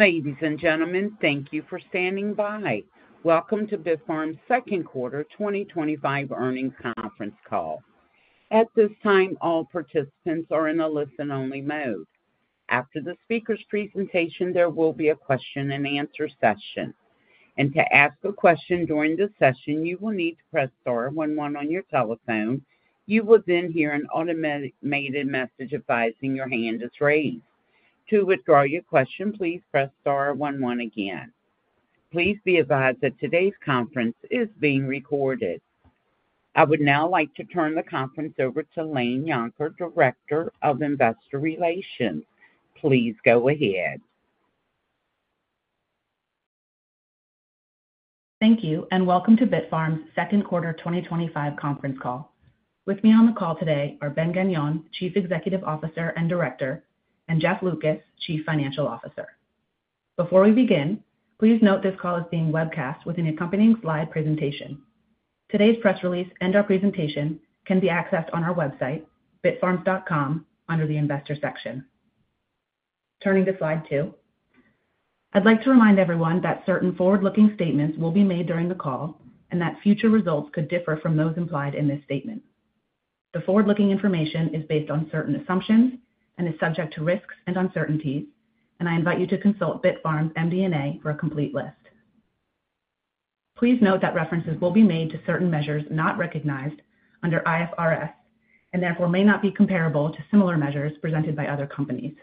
Ladies and gentlemen, thank you for standing by. Welcome to Bitfarms' Second Quarter 2025 Earnings Conference Call. At this time, all participants are in a listen-only mode. After the speaker's presentation, there will be a question and answer session. To ask a question during this session, you will need to press star one one on your telephone. You will then hear an automated message advising your hand is raised. To withdraw your question, please press star one one again. Please be advised that today's conference is being recorded. I would now like to turn the conference over to Laine Yonker, Director of Investor Relations. Please go ahead. Thank you, and welcome to Bitfarms' Second Quarter 2025 Conference Call. With me on the call today are Ben Gagnon, Chief Executive Officer and Director, and Jeff Lucas, Chief Financial Officer. Before we begin, please note this call is being webcast with an accompanying slide presentation. Today's press release and our presentation can be accessed on our website, bitfarms.com, under the Investor section. Turning to slide two, I'd like to remind everyone that certain forward-looking statements will be made during the call and that future results could differ from those implied in this statement. The forward-looking information is based on certain assumptions and is subject to risks and uncertainties, and I invite you to consult Bitfarms' MD&A for a complete list. Please note that references will be made to certain measures not recognized under IFRS and therefore may not be comparable to similar measures presented by other companies.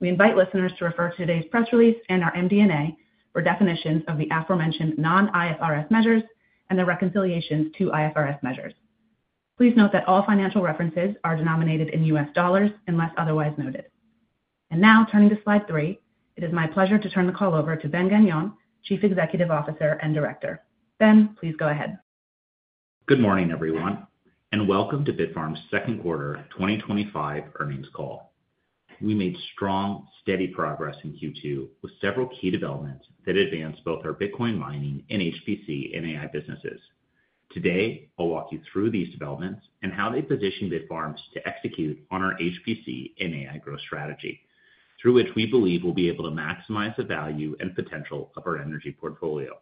We invite listeners to refer to today's press release and our MD&A for definitions of the aforementioned non-IFRS measures and the reconciliations to IFRS measures. Please note that all financial references are denominated in US dollars unless otherwise noted. Now, turning to slide three, it is my pleasure to turn the call over to Ben Gagnon, Chief Executive Officer and Director. Ben, please go ahead. Good morning, everyone, and welcome to Bitfarms' Second Quarter 2025 Earnings Call. We made strong, steady progress in Q2 with several key developments that advanced both our Bitcoin mining and HPC and AI businesses. Today, I'll walk you through these developments and how they position Bitfarms to execute on our HPC and AI growth strategy, through which we believe we'll be able to maximize the value and potential of our energy portfolio.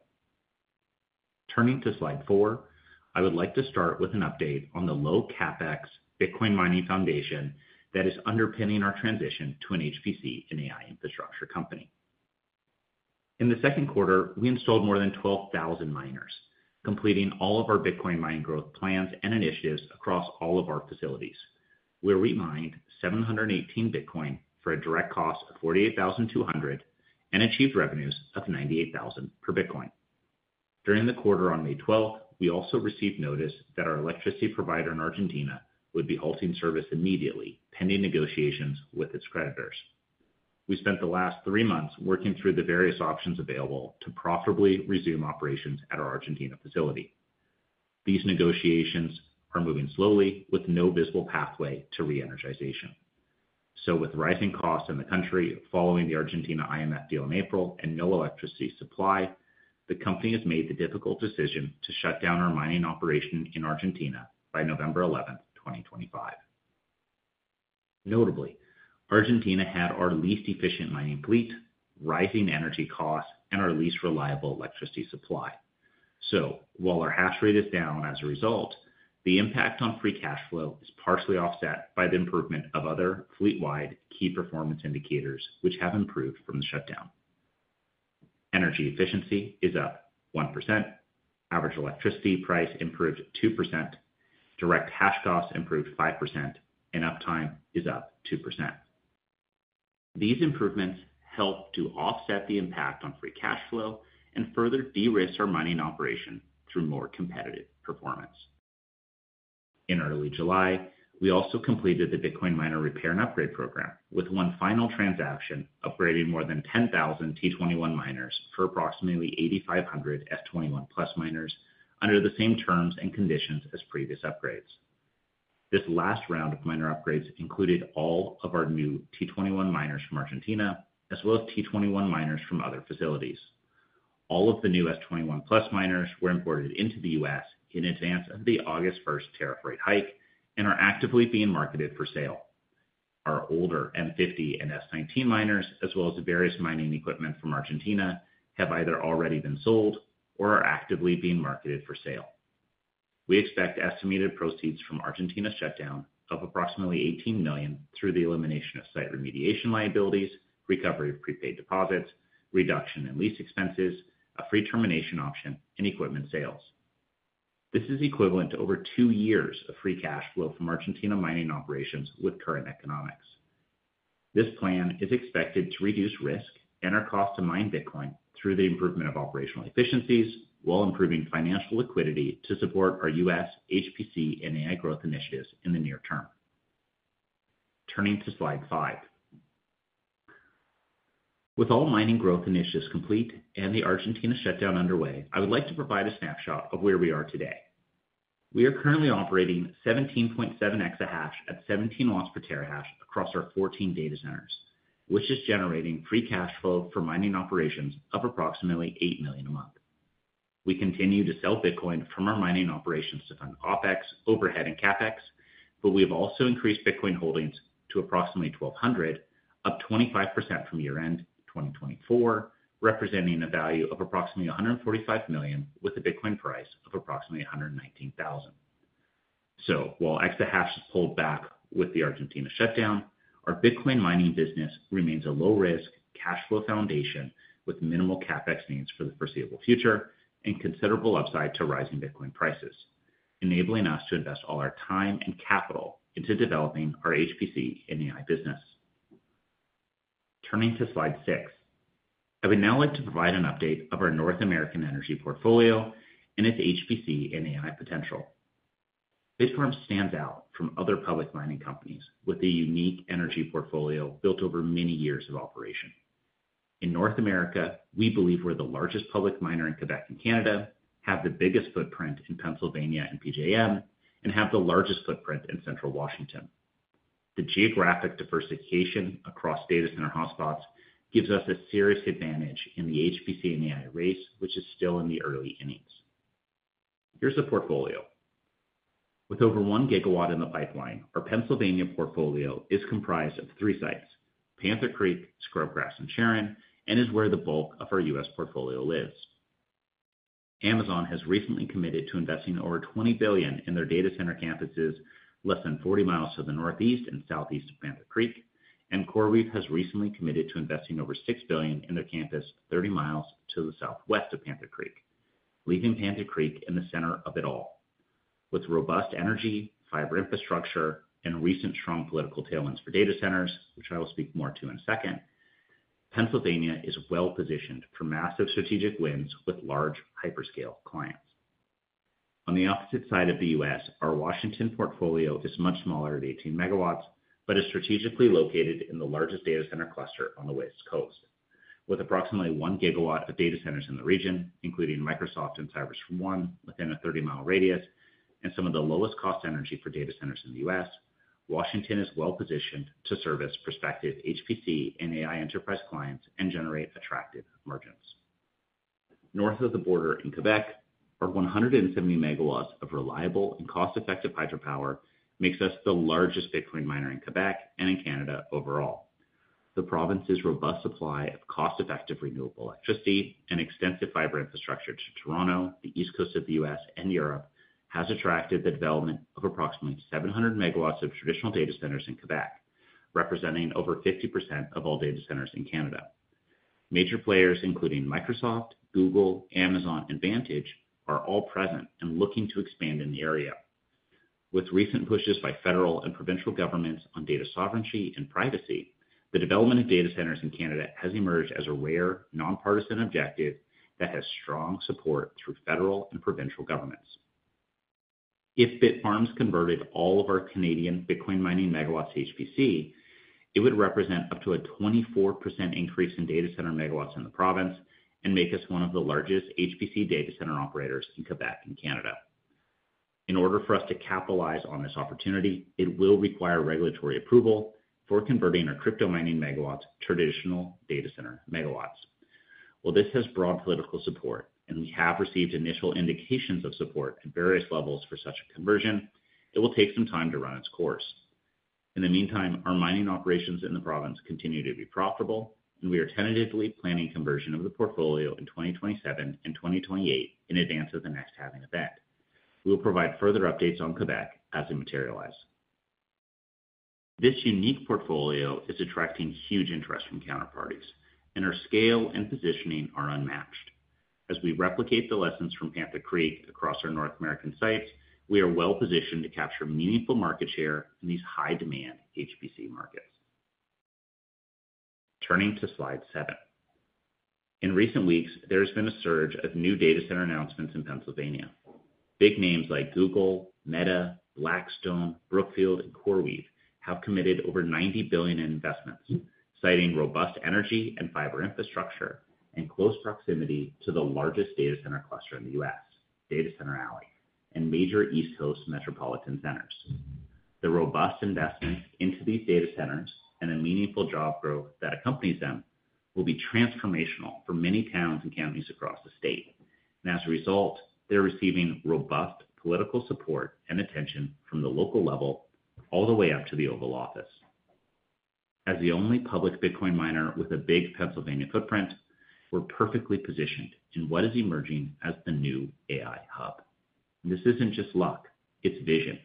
Turning to slide four, I would like to start with an update on the low CapEx Bitcoin mining foundation that is underpinning our transition to an HPC and AI infrastructure company. In the second quarter, we installed more than 12,000 miners, completing all of our Bitcoin mining growth plans and initiatives across all of our facilities. We remined 718 Bitcoin for a direct cost of $48,200 and achieved revenues of $98,000 per Bitcoin. During the quarter on May 12, we also received notice that our electricity provider in Argentina would be halting service immediately pending negotiations with its creditors. We spent the last three months working through the various options available to profitably resume operations at our Argentina facility. These negotiations are moving slowly with no visible pathway to re-energization. With rising costs in the country following the Argentina IMF deal in April and no electricity supply, the company has made the difficult decision to shut down our mining operation in Argentina by November 11, 2025. Notably, Argentina had our least efficient mining fleet, rising energy costs, and our least reliable electricity supply. While our hash rate is down as a result, the impact on free cash flow is partially offset by the improvement of other fleet-wide key performance indicators, which have improved from the shutdown. Energy efficiency is up 1%, average electricity price improved 2%, direct hash costs improved 5%, and uptime is up 2%. These improvements help to offset the impact on free cash flow and further de-risk our mining operation through more competitive performance. In early July, we also completed the Bitcoin Miner Repair and Upgrade program, with one final transaction upgrading more than 10,000 T21 miners for approximately 8,500 S21+ miners under the same terms and conditions as previous upgrades. This last round of miner upgrades included all of our new T21 miners from Argentina, as well as T21 miners from other facilities. All of the new S21+ miners were imported into the U.S. in advance of the August 1 tariff rate hike and are actively being marketed for sale. Our older M50 and S19 miners, as well as various mining equipment from Argentina, have either already been sold or are actively being marketed for sale. We expect estimated proceeds from Argentina's shutdown of approximately $18 million through the elimination of site remediation liabilities, recovery of prepaid deposits, reduction in lease expenses, a free termination option, and equipment sales. This is equivalent to over two years of free cash flow from Argentina mining operations with current economics. This plan is expected to reduce risk and our cost to mine Bitcoin through the improvement of operational efficiencies while improving financial liquidity to support our U.S. HPC and AI growth initiatives in the near term. Turning to slide five, with all mining growth initiatives complete and the Argentina shutdown underway, I would like to provide a snapshot of where we are today. We are currently operating 17.7 EH/s at $17 per terahash across our 14 data centers, which is generating free cash flow for mining operations of approximately $8 million a month. We continue to sell Bitcoin from our mining operations to fund OpEx, overhead, and CapEx, but we have also increased Bitcoin holdings to approximately 1,200 BTC, up 25% from year-end 2024, representing a value of approximately $145 million with a Bitcoin price of approximately $119,000. Extra hash is pulled back with the Argentina shutdown, our Bitcoin mining business remains a low-risk cash flow foundation with minimal CapEx needs for the foreseeable future and considerable upside to rising Bitcoin prices, enabling us to invest all our time and capital into developing our HPC and AI business. Turning to slide six, I would now like to provide an update of our North American energy portfolio and its HPC and AI potential. Bitfarms stands out from other public mining companies with a unique energy portfolio built over many years of operation. In North America, we believe we're the largest public miner in Quebec and Canada, have the biggest footprint in Pennsylvania and PJM, and have the largest footprint in central Washington. The geographic diversification across data center hotspots gives us a serious advantage in the HPC and AI race, which is still in the early innings. Here's a portfolio. With over 1 GW in the pipeline, our Pennsylvania portfolio is comprised of three sites: Panther Creek, Scrubgrass, and Sharon, and is where the bulk of our U.S. portfolio lives. Amazon has recently committed to investing over $20 billion in their data center campuses less than 40 mi to the northeast and southeast of Panther Creek, and CoreWeave has recently committed to investing over $6 billion in their campus 30 mi to the southwest of Panther Creek, leaving Panther Creek in the center of it all. With robust energy, fiber infrastructure, and recent strong political tailwinds for data centers, which I will speak more to in a second, Pennsylvania is well positioned for massive strategic wins with large hyperscale clients. On the opposite side of the U.S., our Washington portfolio is much smaller at 18 MW but is strategically located in the largest data center cluster on the West Coast. With approximately 1 GW of data centers in the region, including Microsoft and CyrusOne within a 30 mi radius and some of the lowest cost energy for data centers in the U.S., Washington is well positioned to service prospective HPC and AI enterprise clients and generate attractive margins. North of the border in Quebec, our 170 MW of reliable and cost-effective hydropower makes us the largest Bitcoin miner in Quebec and in Canada overall. The province's robust supply of cost-effective renewable electricity and extensive fiber infrastructure to Toronto, the East Coast of the U.S., and Europe has attracted the development of approximately 700 MW of traditional data centers in Quebec, representing over 50% of all data centers in Canada. Major players including Microsoft, Google, Amazon, and Vantage are all present and looking to expand in the area. With recent pushes by federal and provincial governments on data sovereignty and privacy, the development of data centers in Canada has emerged as a rare nonpartisan objective that has strong support through federal and provincial governments. If Bitfarms converted all of our Canadian Bitcoin mining megawatts to HPC, it would represent up to a 24% increase in data center megawatts in the province and make us one of the largest HPC data center operators in Quebec and Canada. In order for us to capitalize on this opportunity, it will require regulatory approval for converting our crypto mining megawatts to traditional data center megawatts. While this has broad political support and we have received initial indications of support at various levels for such a conversion, it will take some time to run its course. In the meantime, our mining operations in the province continue to be profitable, and we are tentatively planning a conversion of the portfolio in 2027 and 2028 in advance of the next halving event. We will provide further updates on Quebec as they materialize. This unique portfolio is attracting huge interest from counterparties, and our scale and positioning are unmatched. As we replicate the lessons from Panther Creek across our North American sites, we are well positioned to capture meaningful market share in these high-demand HPC markets. Turning to slide seven, in recent weeks, there's been a surge of new data center announcements in Pennsylvania. Big names like Google, Meta, Blackstone, Brookfield, and CoreWeave have committed over $90 billion in investments, citing robust energy and fiber infrastructure and close proximity to the largest data center cluster in the U.S., Data Center Alley, and major East Coast metropolitan centers. The robust investments into these data centers and the meaningful job growth that accompanies them will be transformational for many towns and counties across the state. As a result, they're receiving robust political support and attention from the local level all the way up to the Oval Office. As the only public Bitcoin miner with a big Pennsylvania footprint, we're perfectly positioned in what is emerging as the new AI hub. This isn't just luck, it's vision.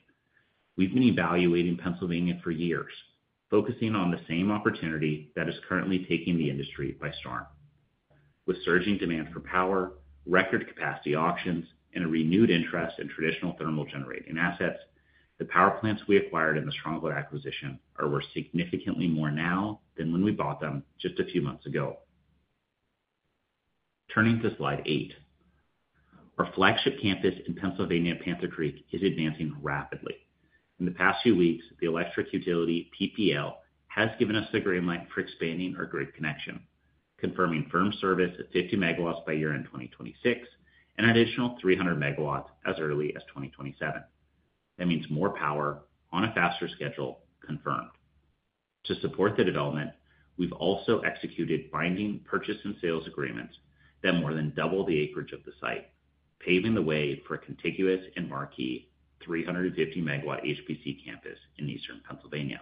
We've been evaluating Pennsylvania for years, focusing on the same opportunity that is currently taking the industry by storm. With surging demand for power, record capacity auctions, and a renewed interest in traditional thermal generating assets, the power plants we acquired in the Stronghold acquisition are worth significantly more now than when we bought them just a few months ago. Turning to slide eight, our flagship campus in Pennsylvania, Panther Creek, is advancing rapidly. In the past few weeks, the electric utility PPL has given us the green light for expanding our grid connection, confirming firm service of 50 MW by year-end 2026 and an additional 300 MW as early as 2027. That means more power on a faster schedule confirmed. To support the development, we've also executed binding purchase and sales agreements that more than double the acreage of the site, paving the way for a contiguous and marquee 350 MW HPC campus in eastern Pennsylvania.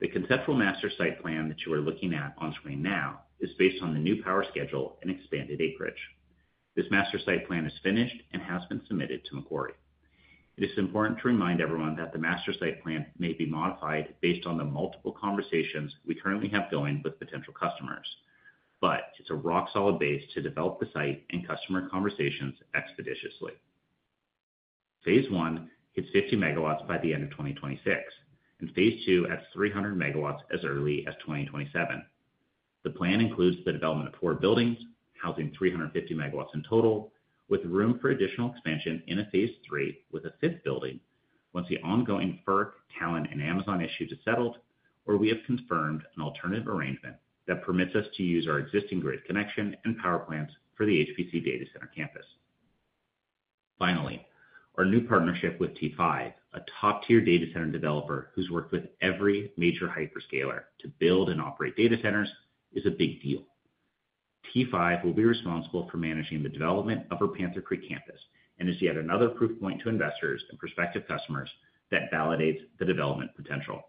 The conceptual master site plan that you are looking at on screen now is based on the new power schedule and expanded acreage. This master site plan is finished and has been submitted to Macquarie. It is important to remind everyone that the master site plan may be modified based on the multiple conversations we currently have going with potential customers, but it's a rock-solid base to develop the site and customer conversations expeditiously. Phase I hits 50 MW by the end of 2026, and phase II adds 300 MW as early as 2027. The plan includes the development of four buildings housing 350 MW in total, with room for additional expansion in a phase III with a fifth building once the ongoing FERC, TALEN, and Amazon issues are settled, or we have confirmed an alternative arrangement that permits us to use our existing grid connection and power plants for the HPC data center campus. Finally, our new partnership with T5, a top-tier data center developer who's worked with every major hyperscaler to build and operate data centers, is a big deal. T5 will be responsible for managing the development of our Panther Creek campus and is yet another proof point to investors and prospective customers that validates the development potential.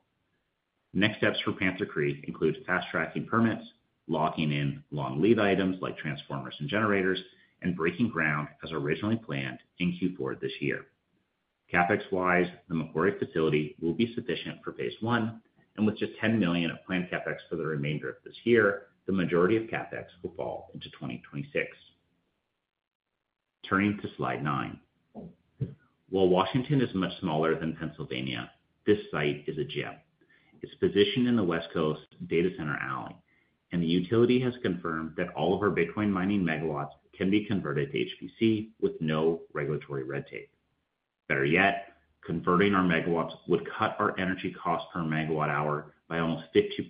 Next steps for Panther Creek include fast-tracking permits, locking in long-lead items like transformers and generators, and breaking ground as originally planned in Q4 this year. CapEx-wise, the Macquarie facility will be sufficient for phase I, and with just $10 million of planned CapEx for the remainder of this year, the majority of CapEx will fall into 2026. Turning to slide nine, while Washington is much smaller than Pennsylvania, this site is a gem. It's positioned in the West Coast Data Center Alley, and the utility has confirmed that all of our Bitcoin mining megawatts can be converted to HPC with no regulatory red tape. Better yet, converting our megawatts would cut our energy cost per megawatt-hour by almost 50%,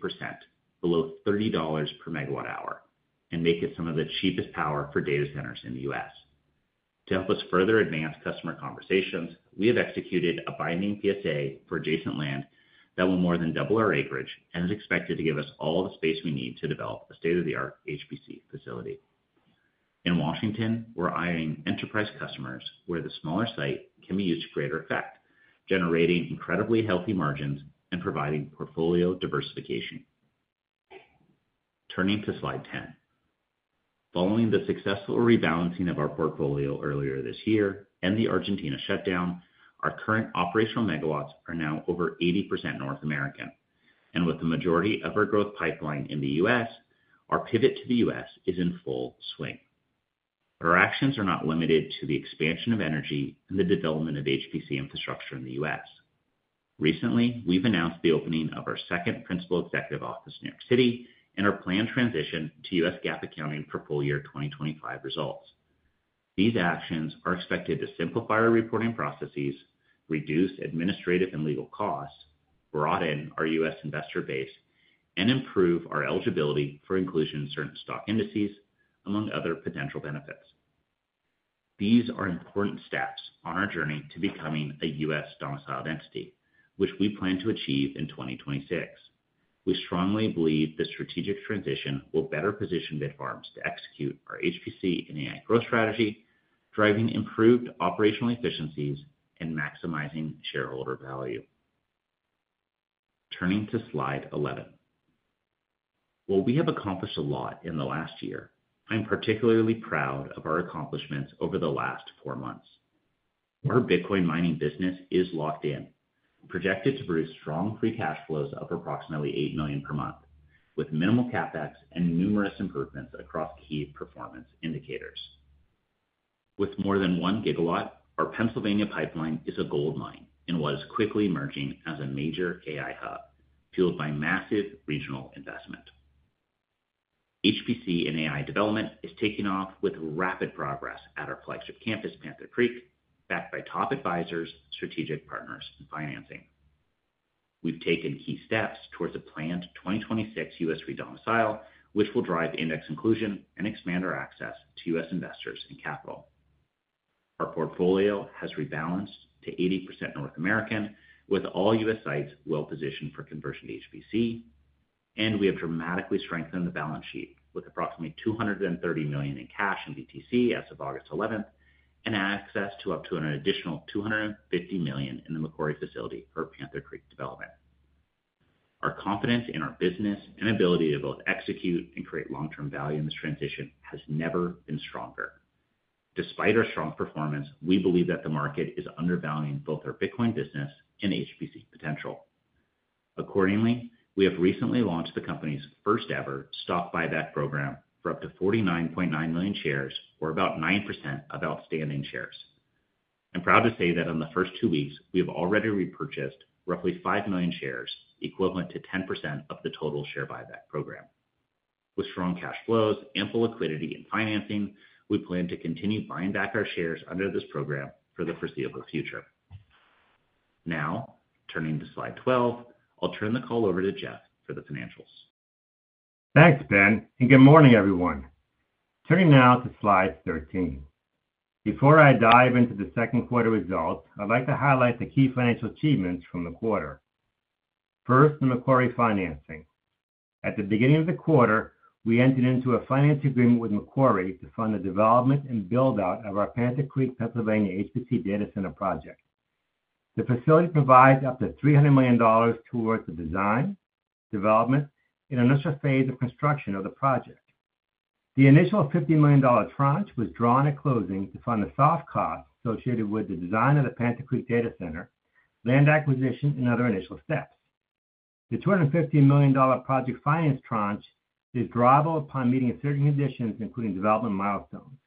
below $30 per megawatt-hour, and make it some of the cheapest power for data centers in the U.S. To help us further advance customer conversations, we have executed a binding PSA for adjacent land that will more than double our acreage and is expected to give us all of the space we need to develop a state-of-the-art HPC facility. In Washington, we're eyeing enterprise customers where the smaller site can be used to greater effect, generating incredibly healthy margins and providing portfolio diversification. Turning to slide 10, following the successful rebalancing of our portfolio earlier this year and the Argentina shutdown, our current operational megawatts are now over 80% North American, and with the majority of our growth pipeline in the U.S., our pivot to the U.S. is in full swing. Our actions are not limited to the expansion of energy and the development of HPC infrastructure in the U.S. Recently, we've announced the opening of our second Principal Executive Office in New York City and our planned transition to U.S. GAAP accounting for full-year 2025 results. These actions are expected to simplify our reporting processes, reduce administrative and legal costs, broaden our U.S. investor base, and improve our eligibility for inclusion in certain stock indices, among other potential benefits. These are important steps on our journey to becoming a U.S.-domiciled entity, which we plan to achieve in 2026. We strongly believe this strategic transition will better position Bitfarms to execute our HPC and AI growth strategy, driving improved operational efficiencies and maximizing shareholder value. Turning to slide 11, while we have accomplished a lot in the last year, I'm particularly proud of our accomplishments over the last four months. Our Bitcoin mining business is locked in, projected to produce strong free cash flows of approximately $8 million per month, with minimal CapEx and numerous improvements across key performance indicators. With more than 1 GW, our Pennsylvania pipeline is a gold mine and one that's quickly emerging as a major AI hub, fueled by massive regional investment. HPC and AI development is taking off with rapid progress at our flagship campus, Panther Creek, backed by top advisors, strategic partners, and financing. We've taken key steps towards a planned 2026 U.S. re-domicile, which will drive index inclusion and expand our access to U.S. investors and capital. Our portfolio has rebalanced to 80% North American, with all U.S. sites well positioned for conversion to HPC, and we have dramatically strengthened the balance sheet with approximately $230 million in cash and BTC as of August 11, and access to up to an additional $250 million in the Macquarie facility for Panther Creek development. Our confidence in our business and ability to both execute and create long-term value in this transition has never been stronger. Despite our strong performance, we believe that the market is undervaluing both our Bitcoin business and HPC potential. Accordingly, we have recently launched the company's first-ever stock buyback program for up to 49.9 million shares, or about 9% of outstanding shares. I'm proud to say that in the first two weeks, we have already repurchased roughly 5 million shares, equivalent to 10% of the total share buyback program. With strong cash flows, ample liquidity, and financing, we plan to continue buying back our shares under this program for the foreseeable future. Now, turning to slide 12, I'll turn the call over to Jeff for the financials. Thanks, Ben, and good morning, everyone. Turning now to slide 13. Before I dive into the second quarter results, I'd like to highlight the key financial achievements from the quarter. First, the Macquarie financing. At the beginning of the quarter, we entered into a financing agreement with Macquarie to fund the development and build-out of our Panther Creek, Pennsylvania HPC data center project. The facility provides up to $300 million towards the design, development, and initial phase of construction of the project. The initial $15 million tranche was drawn at closing to fund the soft costs associated with the design of the Panther Creek data center, land acquisition, and other initial steps. The $250 million project finance tranche is drawable upon meeting certain conditions, including development milestones.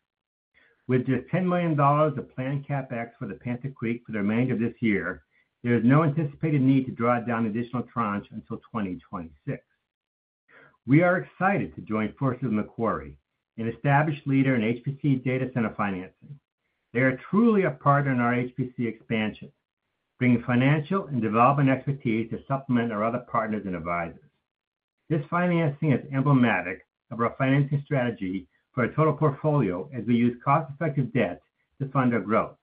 With just $10 million of planned CapEx for Panther Creek for the remainder of this year, there's no anticipated need to draw down an additional tranche until 2026. We are excited to join forces with Macquarie, an established leader in HPC data center financing. They are truly a partner in our HPC expansion, bringing financial and development expertise to supplement our other partners and advisors. This financing is emblematic of our financing strategy for our total portfolio as we use cost-effective debt to fund our growth.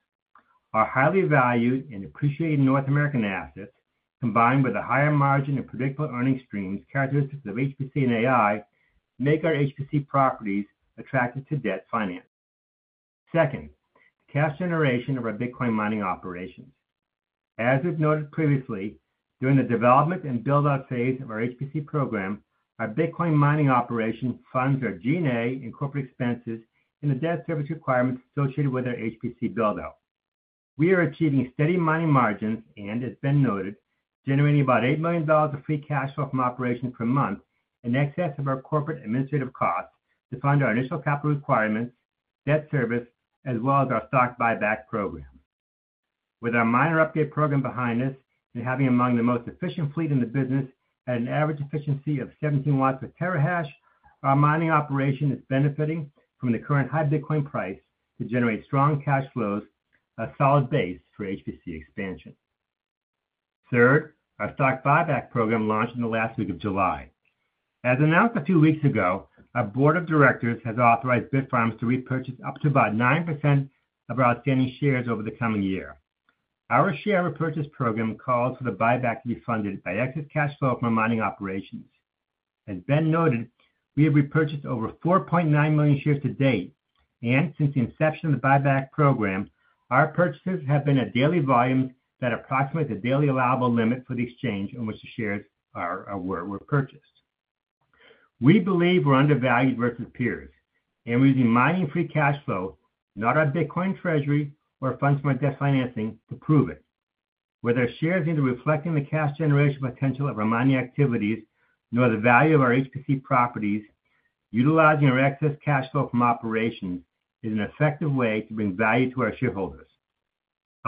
Our highly valued and appreciated North American assets, combined with the higher margin and predictable earning streams characteristics of HPC and AI, make our HPC properties attractive to debt finance. Second, cash generation of our Bitcoin mining operations. As we've noted previously, during the development and build-out phase of our HPC program, our Bitcoin mining operation funds our G&A and corporate expenses and the debt service requirements associated with our HPC build-out. We are achieving steady mining margins and, as Ben noted, generating about $8 million of free cash flow from operations per month in excess of our corporate administrative costs to fund our initial capital requirements, debt service, as well as our stock buyback program. With our miner upgrade program behind us and having among the most efficient fleet in the business at an average efficiency of 17 watts per terahash, our mining operation is benefiting from the current high Bitcoin price to generate strong cash flows, a solid base for HPC expansion. Third, our stock buyback program launched in the last week of July. As announced a few weeks ago, our Board of Directors has authorized Bitfarms to repurchase up to about 9% of our outstanding shares over the coming year. Our share repurchase program calls for the buyback to be funded by excess cash flow from our mining operations. As Ben noted, we have repurchased over 4.9 million shares to date, and since the inception of the buyback program, our purchases have been at daily volumes that approximate the daily allowable limit for the exchange on which the shares were purchased. We believe we're undervalued versus peers, and we're using mining free cash flow, not our Bitcoin treasury or funds from our debt financing, to prove it. Whether our shares need to reflect the cash generation potential of our mining activities, nor the value of our HPC properties, utilizing our excess cash flow from operations is an effective way to bring value to our shareholders.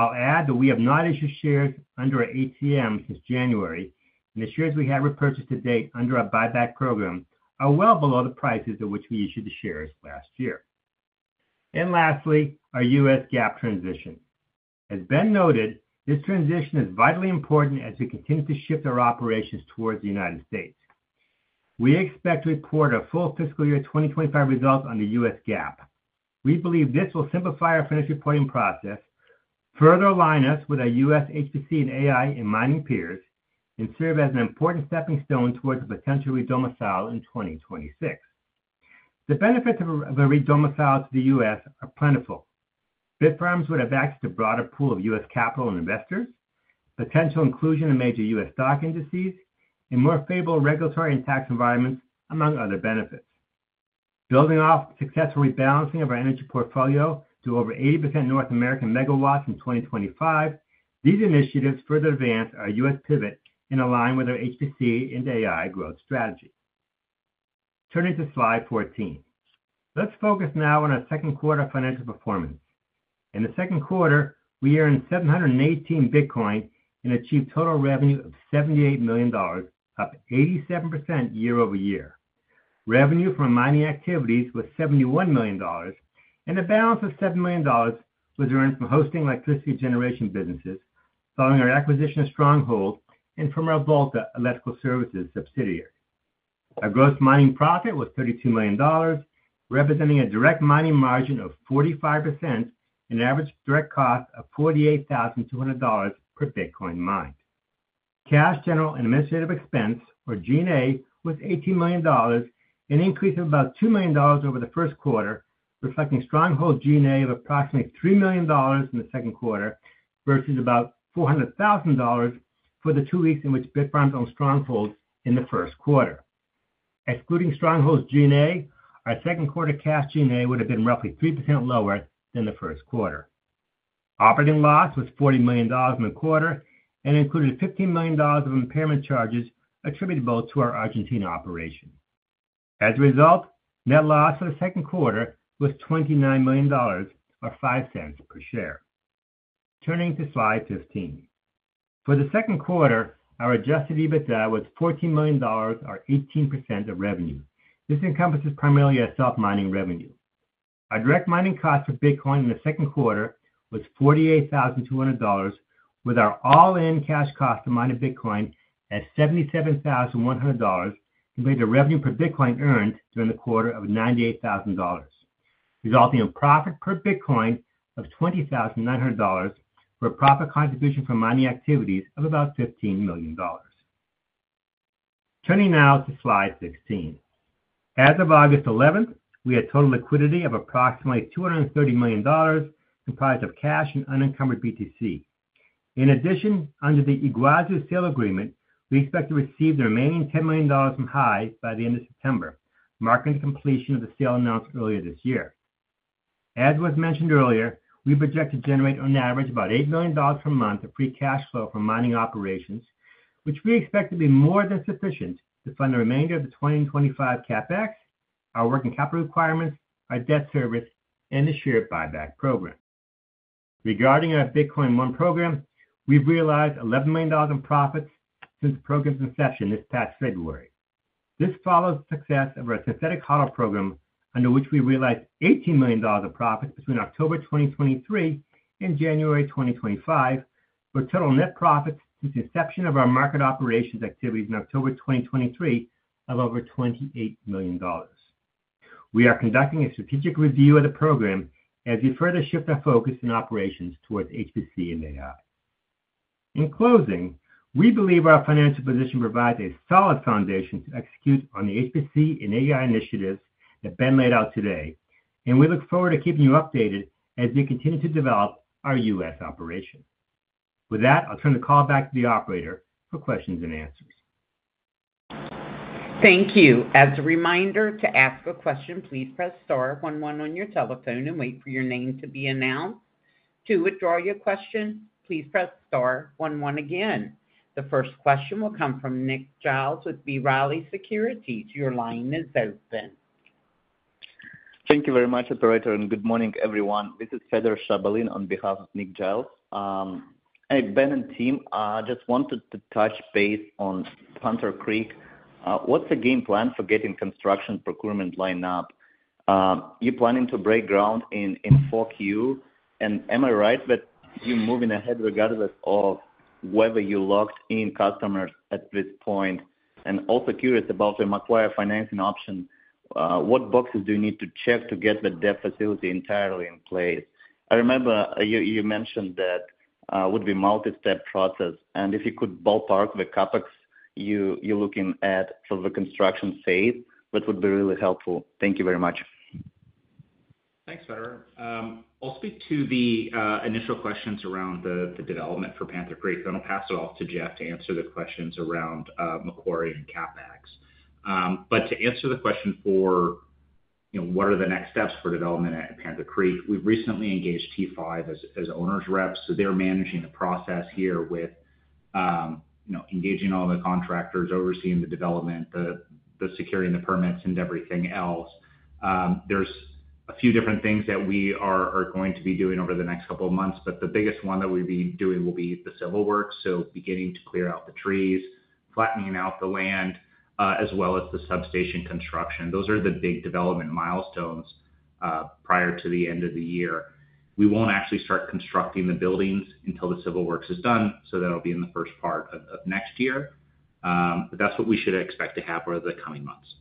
I'll add that we have not issued shares under our ATM since January, and the shares we have repurchased to date under our buyback program are well below the prices at which we issued the shares last year. Lastly, our U.S. GAAP transition. As Ben noted, this transition is vitally important as we continue to shift our operations towards the United States. We expect to report our full fiscal year 2025 results on the U.S. GAAP. We believe this will simplify our financial reporting process, further align us with our U.S. HPC and AI and mining peers, and serve as an important stepping stone towards the potential re-domicile in 2026. The benefits of a re-domicile to the U.S. are plentiful. Bitfarms would have access to a broader pool of U.S. capital and investors, potential inclusion in major U.S. stock indices, and more favorable regulatory and tax environments, among other benefits. Building off successful rebalancing of our energy portfolio to over 80% North American megawatts in 2025, these initiatives further advance our U.S. pivot and align with our HPC and AI growth strategy. Turning to slide 14, let's focus now on our second quarter financial performance. In the second quarter, we earned 718 Bitcoin and achieved a total revenue of $78 million, up 87% year-over-year. Revenue from our mining activities was $71 million, and a balance of $7 million was earned from hosting electricity generation businesses following our acquisition of Stronghold Digital Mining and from our Volta Electrical Services subsidiary. Our gross mining profit was $32 million, representing a direct mining margin of 45% and an average direct cost of $48,200 per Bitcoin mined. Cash general and administrative expense, or G&A, was $18 million, an increase of about $2 million over the first quarter, reflecting Stronghold G&A of approximately $3 million in the second quarter versus about $400,000 for the two weeks in which Bitfarms owned Stronghold in the first quarter. Excluding Stronghold's G&A, our second quarter cash G&A would have been roughly 3% lower than the first quarter. Operating loss was $40 million in the quarter and included $15 million of impairment charges attributable to our Argentina operation. As a result, net loss for the second quarter was $29 million, or $0.05 per share. Turning to slide 15, for the second quarter, our adjusted EBITDA was $14 million, or 18% of revenue. This encompasses primarily our self-mining revenue. Our direct mining cost for Bitcoin in the second quarter was $48,200, with our all-in cash cost to mine a Bitcoin at $77,100, and paid the revenue per Bitcoin earned during the quarter of $98,000, resulting in a profit per Bitcoin of $20,900, or a profit contribution from mining activities of about $15 million. Turning now to slide 16, as of August 11, we had total liquidity of approximately $230 million comprised of cash and unencumbered BTC. In addition, under the Yguazu sale agreement, we expect to receive the remaining $10 million from Hive by the end of September, marking the completion of the sale announcement earlier this year. As was mentioned earlier, we project to generate on average about $8 million per month of free cash flow from mining operations, which we expect to be more than sufficient to fund the remainder of the 2025 CapEx, our working capital requirements, our debt service, and the share buyback program. Regarding our Bitcoin One program, we've realized $11 million in profits since the program's inception this past February. This follows the success of our Synthetic HODL program, under which we realized $18 million in profits between October 2023 and January 2025, with total net profits since the inception of our market operations activities in October 2023 of over $28 million. We are conducting a strategic review of the program as we further shift our focus in operations towards HPC and AI. In closing, we believe our financial position provides a solid foundation to execute on the HPC and AI initiatives that Ben laid out today, and we look forward to keeping you updated as we continue to develop our U.S. operations. With that, I'll turn the call back to the operator for questions-and-answers. Thank you. As a reminder, to ask a question, please press star one one on your telephone and wait for your name to be announced. To withdraw your question, please press star one one again. The first question will come from Nick Giles with B. Riley Securities. Your line is open. Thank you very much, operator, and good morning, everyone. This is Cedar Chabalin on behalf of Nick Giles and Ben and team. I just wanted to touch base on Panther Creek. What's the game plan for getting construction procurement lined up? You're planning to break ground in 4Q, and am I right that you're moving ahead regardless of whether you locked in customers at this point? I'm also curious about your Macquarie financing option. What boxes do you need to check to get the debt facility entirely in place? I remember you mentioned that it would be a multi-step process, and if you could ballpark the CapEx you're looking at for the construction phase, that would be really helpful. Thank you very much. Thanks, Fedor. I'll speak to the initial questions around the development for Panther Creek, and I'll pass it off to Jeff to answer the questions around Macquarie and CapEx. To answer the question for, you know, what are the next steps for development at Panther Creek, we've recently engaged T5 as owners' reps, so they're managing the process here with engaging all the contractors, overseeing the development, securing the permits, and everything else. There are a few different things that we are going to be doing over the next couple of months, but the biggest one that we'll be doing will be the civil works, beginning to clear out the trees, flattening out the land, as well as the substation construction. Those are the big development milestones prior to the end of the year. We won't actually start constructing the buildings until the civil works is done, so that'll be in the first part of next year. That's what we should expect to happen over the coming months.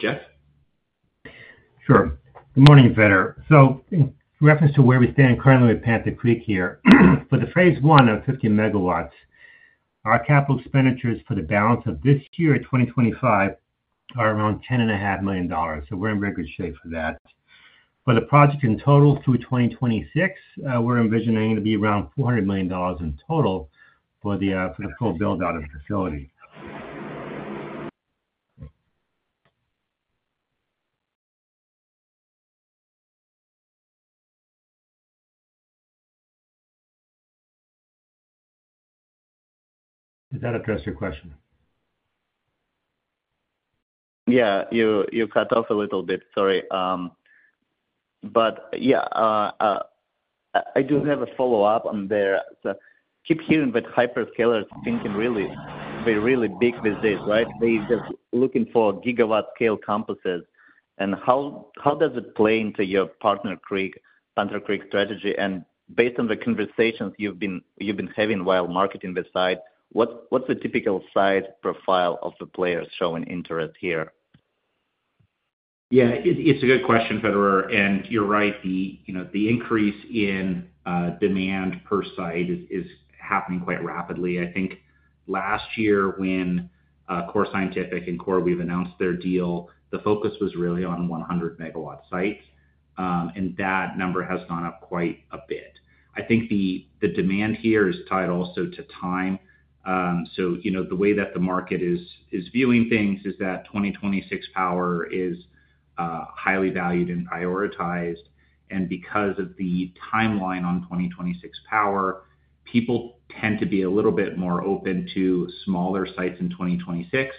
Jeff? Sure. Good morning, Fedor. In reference to where we stand currently with Panther Creek here, for the phase I of 50 MW, our capital expenditures for the balance of this year, 2025, are around $10.5 million, so we're in very good shape for that. For the project in total through 2026, we're envisioning it to be around $400 million in total for the full build-out of the facility. Does that address your question? Yeah, you cut off a little bit, sorry. I do have a follow-up on there. Keep hearing that hyperscalers are thinking really, they're really big these days, right? They're just looking for gigawatt scale campuses. How does it play into your Panther Creek strategy? Based on the conversations you've been having while marketing the site, what's the typical site profile of the players showing interest here? Yeah, it's a good question, Fedor, and you're right. The increase in demand per site is happening quite rapidly. I think last year when Core Scientific and CoreWeave announced their deal, the focus was really on 100 MW sites, and that number has gone up quite a bit. I think the demand here is tied also to time. The way that the market is viewing things is that 2026 power is highly valued and prioritized. Because of the timeline on 2026 power, people tend to be a little bit more open to smaller sites in 2026,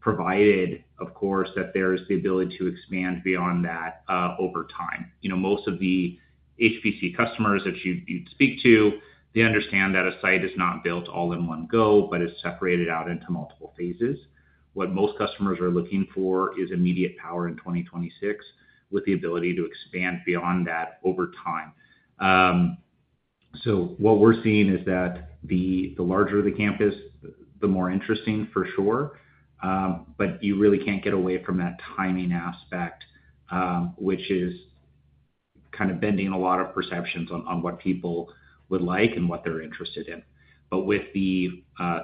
provided, of course, that there's the ability to expand beyond that over time. Most of the HPC customers that you speak to, they understand that a site is not built all in one go, but it's separated out into multiple phases. What most customers are looking for is immediate power in 2026, with the ability to expand beyond that over time. What we're seeing is that the larger the campus, the more interesting for sure. You really can't get away from that timing aspect, which is kind of bending a lot of perceptions on what people would like and what they're interested in. With the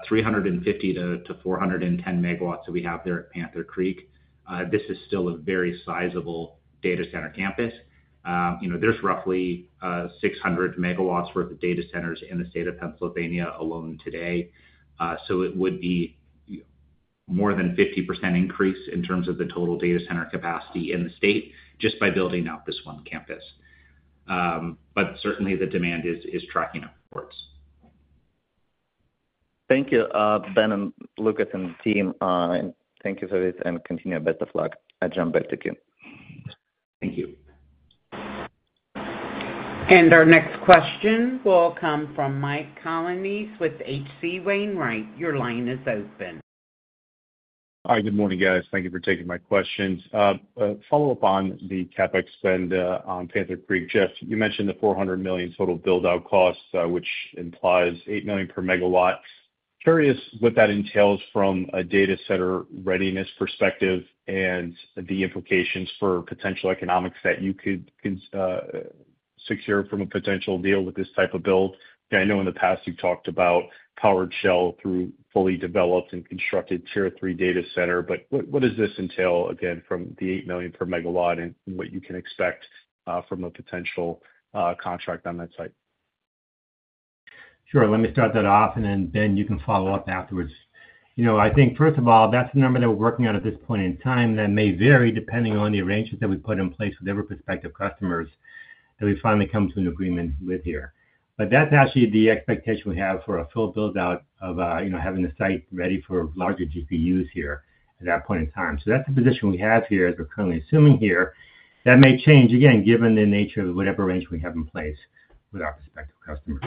350 MW-410 MW that we have there at Panther Creek, this is still a very sizable data center campus. There's roughly 600 MW worth of data centers in the state of Pennsylvania alone today. It would be more than a 50% increase in terms of the total data center capacity in the state just by building out this one campus. Certainly, the demand is tracking upwards. Thank you, Ben, Jeff Lucas, and team. Thank you for this and continue a bit of luck. I jump back to you. Thank you. Our next question will come from Mike Colonnese with H.C. Wainwright. Your line is open. Hi, good morning, guys. Thank you for taking my questions. Follow up on the CapEx spend on Panther Creek, Jeff. You mentioned the $400 million total build-out cost, which implies $8 million per megawatt. Curious what that entails from a data center readiness perspective and the implications for potential economics that you could secure from a potential deal with this type of build. I know in the past you've talked about powered shell through fully developed and constructed tier three data center, but what does this entail again from the $8 million per megawatt and what you can expect from a potential contract on that site? Sure, let me start that off, and then Ben, you can follow up afterwards. I think first of all, that's the number that we're working out at this point in time. That may vary depending on the arrangements that we put in place with every prospective customer that we finally come to an agreement with here. That's actually the expectation we have for a full build-out of having the site ready for larger GPUs here at that point in time. That's the position we have here as we're currently assuming here. That may change again given the nature of whatever arrangement we have in place with our prospective customers.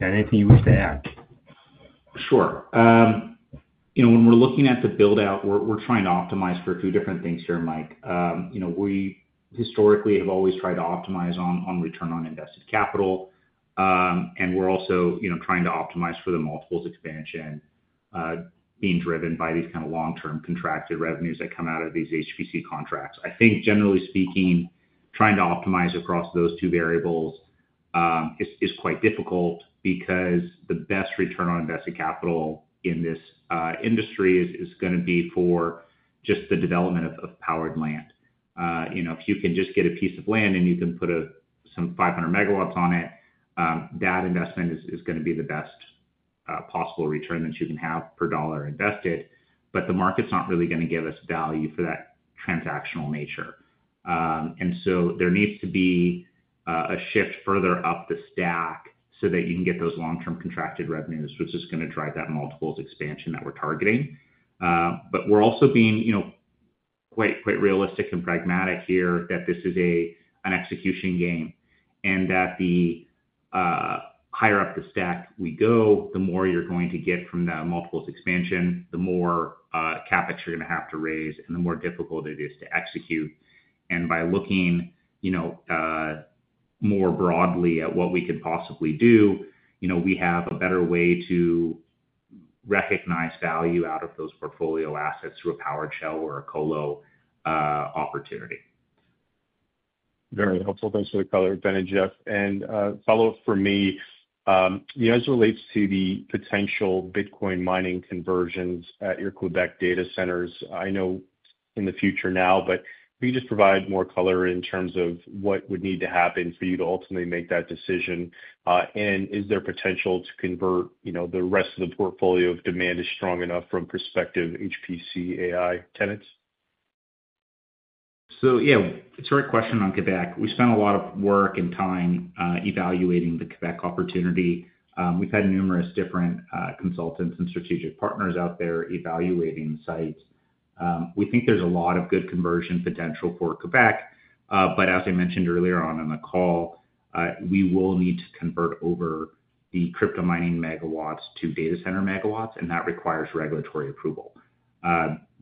Anything you wish to add? Sure. You know, when we're looking at the build-out, we're trying to optimize for two different things here, Mike. You know, we historically have always tried to optimize on return on invested capital, and we're also trying to optimize for the multiples expansion being driven by these kind of long-term contracted revenues that come out of these HPC contracts. I think generally speaking, trying to optimize across those two variables is quite difficult because the best return on invested capital in this industry is going to be for just the development of powered land. You know, if you can just get a piece of land and you can put some 500 MW on it, that investment is going to be the best possible return that you can have per dollar invested. The market's not really going to give us value for that transactional nature. There needs to be a shift further up the stack so that you can get those long-term contracted revenues, which is going to drive that multiples expansion that we're targeting. We're also being, you know, quite realistic and pragmatic here that this is an execution game and that the higher up the stack we go, the more you're going to get from the multiples expansion, the more CapEx you're going to have to raise, and the more difficult it is to execute. By looking, you know, more broadly at what we could possibly do, we have a better way to recognize value out of those portfolio assets through a powered shell or a colo opportunity. Very helpful. Thanks for the color, Ben and Jeff. A follow-up for me, as it relates to the potential Bitcoin mining conversions at your Quebec data centers, I know in the future now, but if you could just provide more color in terms of what would need to happen for you to ultimately make that decision, and is there potential to convert the rest of the portfolio if demand is strong enough from prospective HPC AI tenants? It's a great question on Quebec. We spent a lot of work and time evaluating the Quebec opportunity. We've had numerous different consultants and strategic partners out there evaluating sites. We think there's a lot of good conversion potential for Quebec. As I mentioned earlier on in the call, we will need to convert over the crypto mining megawatts to data center megawatts, and that requires regulatory approval.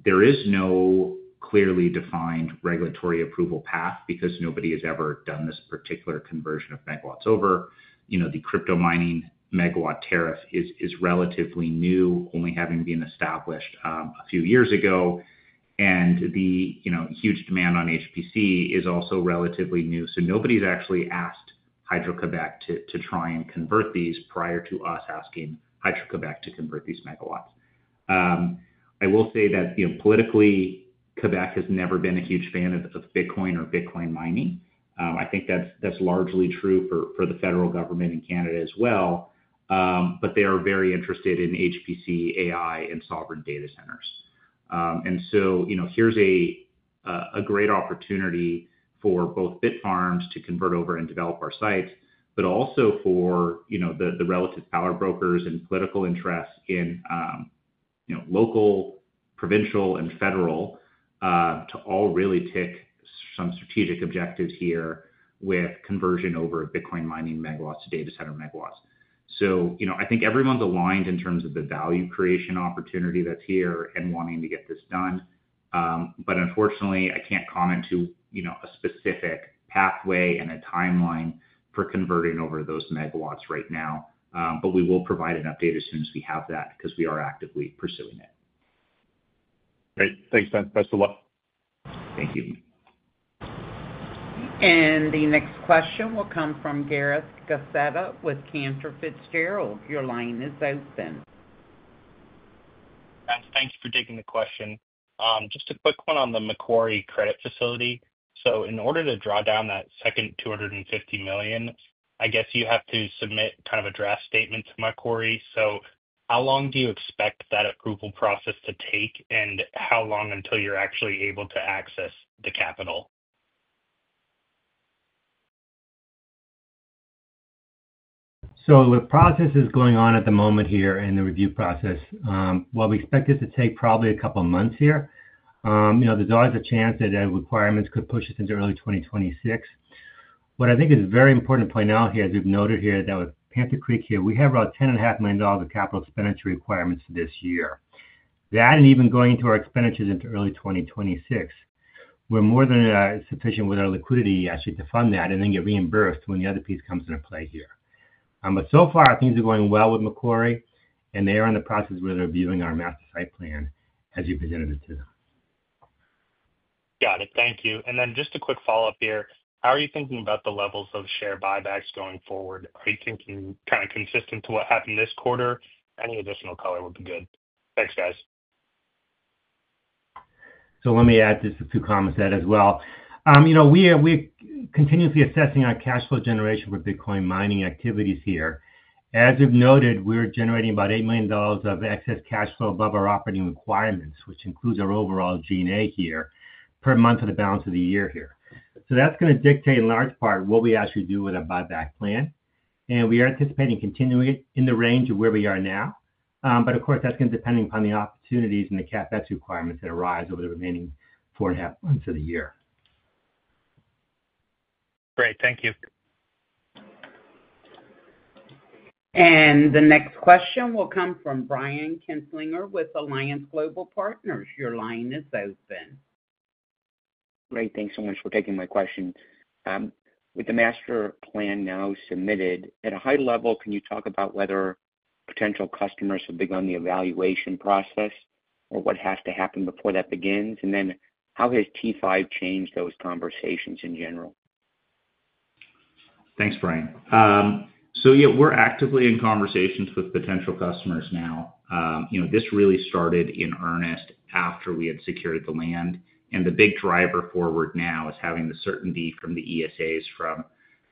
There is no clearly defined regulatory approval path because nobody has ever done this particular conversion of megawatts over. The crypto mining megawatt tariff is relatively new, only having been established a few years ago. The huge demand on HPC is also relatively new. Nobody's actually asked Hydro-Quebec to try and convert these prior to us asking Hydro-Quebec to convert these megawatts. I will say that, politically, Quebec has never been a huge fan of Bitcoin or Bitcoin mining. I think that's largely true for the federal government in Canada as well. They are very interested in HPC, AI, and sovereign data centers. Here's a great opportunity for both Bitfarms to convert over and develop our sites, but also for the relative power brokers and political interests in local, provincial, and federal to all really tick some strategic objectives here with conversion over Bitcoin mining megawatts to data center megawatts. I think everyone's aligned in terms of the value creation opportunity that's here and wanting to get this done. Unfortunately, I can't comment to a specific pathway and a timeline for converting over those megawatts right now. We will provide an update as soon as we have that because we are actively pursuing it. Great. Thanks, Ben. That's a lot. Thank you. The next question will come from Gareth Gasetta with Cantor Fitzgerald. Your line is open. Thanks for taking the question. Just a quick one on the Macquarie credit facility. In order to draw down that second $250 million, I guess you have to submit kind of a draft statement to Macquarie. How long do you expect that approval process to take and how long until you're actually able to access the capital? The process is going on at the moment here in the review process. While we expect it to take probably a couple of months here, there's always a chance that requirements could push us into early 2026. What I think is very important to point out here, as we've noted here, is that with Panther Creek, we have about $10.5 million of capital expenditure requirements for this year. That and even going to our expenditures into early 2026, we're more than sufficient with our liquidity actually to fund that and then get reimbursed when the other piece comes into play here. So far, things are going well with Macquarie, and they are in the process where they're viewing our master site plan as we presented it to them. Got it. Thank you. Just a quick follow-up here. How are you thinking about the levels of share buybacks going forward? Are you thinking kind of consistent to what happened this quarter? Any additional color would be good. Thanks, guys. Let me add just a few comments to that as well. You know, we're continuously assessing our cash flow generation for Bitcoin mining activities here. As we've noted, we're generating about $8 million of excess cash flow above our operating requirements, which includes our overall G&A here per month for the balance of the year. That is going to dictate in large part what we actually do with a buyback plan. We are anticipating continuing it in the range of where we are now. Of course, that's going to depend upon the opportunities and the CapEx requirements that arise over the remaining four and a half months of the year. Great. Thank you. The next question will come from Brian Kinstlinger with Alliance Global Partners. Your line is open. Great. Thanks so much for taking my question. With the master plan now submitted, at a high level, can you talk about whether potential customers have begun the evaluation process or what has to happen before that begins? How has T5 changed those conversations in general? Thanks, Brian. Yeah, we're actively in conversations with potential customers now. This really started in earnest after we had secured the land. The big driver forward now is having the certainty from the ESAs from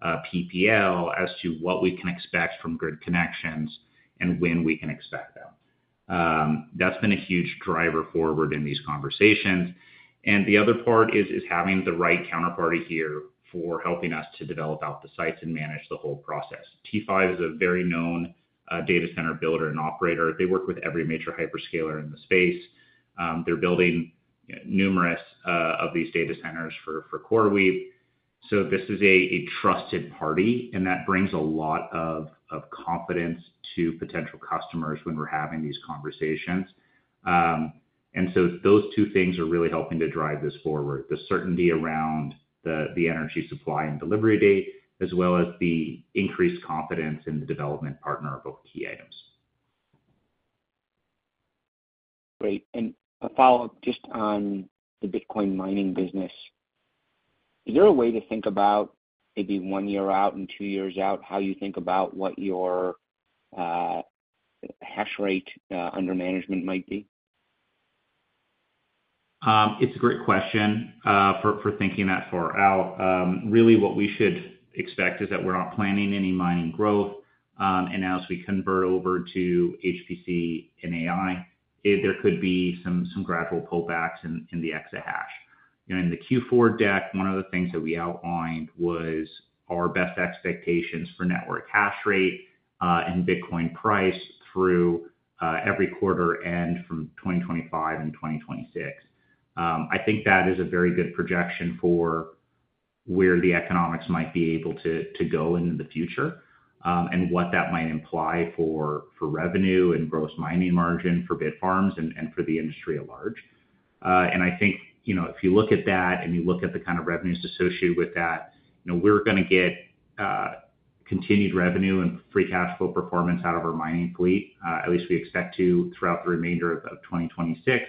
PPL as to what we can expect from grid connections and when we can expect them. That's been a huge driver forward in these conversations. The other part is having the right counterparty here for helping us to develop out the sites and manage the whole process. T5 is a very known data center builder and operator. They work with every major hyperscaler in the space. They're building numerous of these data centers for CoreWeave. This is a trusted party, and that brings a lot of confidence to potential customers when we're having these conversations. Those two things are really helping to drive this forward: the certainty around the energy supply and delivery date, as well as the increased confidence in the development partner are both key items. Great. A follow-up just on the Bitcoin mining business. Is there a way to think about maybe one year out and two years out how you think about what your hash rate under management might be? It's a great question for thinking that far out. Really, what we should expect is that we're not planning any mining growth. As we convert over to HPC and AI, there could be some gradual pullbacks in the exahash. In the Q4 deck, one of the things that we outlined was our best expectations for network hash rate and Bitcoin price through every quarter and from 2025 and 2026. I think that is a very good projection for where the economics might be able to go in the future and what that might imply for revenue and gross mining margin for Bitfarms and for the industry at large. If you look at that and you look at the kind of revenues associated with that, we're going to get continued revenue and free cash flow performance out of our mining fleet. At least we expect to throughout the remainder of 2026.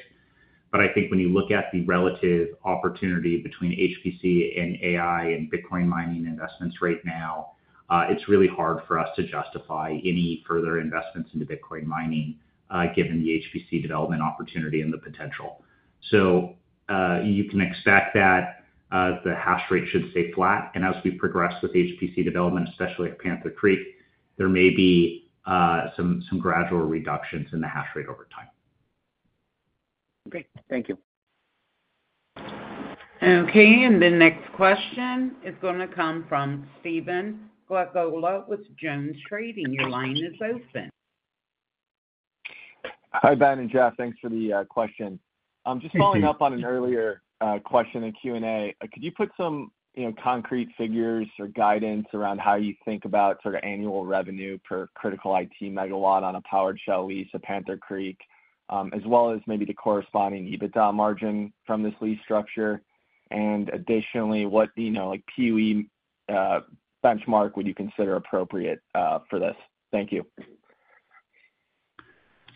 When you look at the relative opportunity between HPC and AI and Bitcoin mining investments right now, it's really hard for us to justify any further investments into Bitcoin mining given the HPC development opportunity and the potential. You can expect that the hash rate should stay flat. As we progress with HPC development, especially at Panther Creek, there may be some gradual reductions in the hash rate over time. Great. Thank you. Okay. The next question is going to come from Stephen Glagola with JonesTrading. Your line is open. Ben and Jeff, thanks for the question. Just following up on an earlier question in Q&A, could you put some concrete figures or guidance around how you think about sort of annual revenue per critical IT megawatt on a powered shell lease at Panther Creek, as well as maybe the corresponding EBITDA margin from this lease structure? Additionally, what, you know, like PUE benchmark would you consider appropriate for this? Thank you.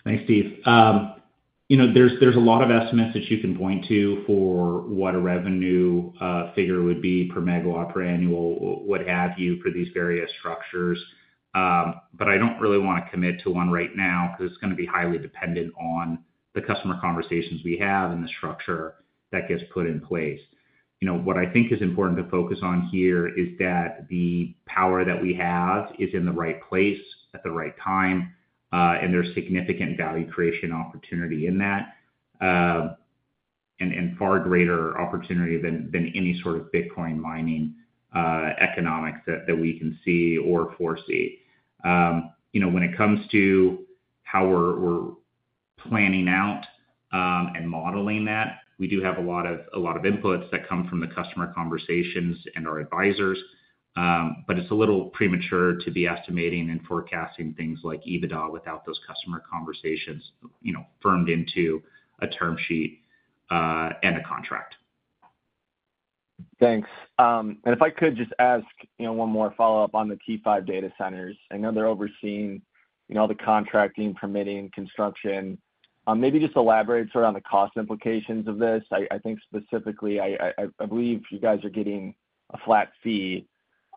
Thanks, Steve. There are a lot of estimates that you can point to for what a revenue figure would be per megawatt per annual, what have you, for these various structures. I don't really want to commit to one right now because it's going to be highly dependent on the customer conversations we have and the structure that gets put in place. What I think is important to focus on here is that the power that we have is in the right place at the right time, and there's significant value creation opportunity in that and far greater opportunity than any sort of Bitcoin mining economics that we can see or foresee. When it comes to how we're planning out and modeling that, we do have a lot of inputs that come from the customer conversations and our advisors, but it's a little premature to be estimating and forecasting things like EBITDA without those customer conversations firmed into a term sheet and a contract. Thanks. If I could just ask one more follow-up on the T5 Data Centers, I know they're overseeing all the contracting, permitting, construction. Maybe just elaborate on the cost implications of this. I think specifically, I believe you guys are getting a flat fee.